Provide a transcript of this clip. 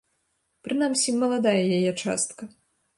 Прынамсі, маладая яе частка.